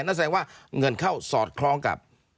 นั่นแสดงว่าเงินเข้าสอดคล้องกับ